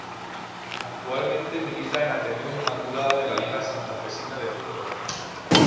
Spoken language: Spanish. Actualmente milita en Ateneo Inmaculada de la Liga Santafesina de Fútbol.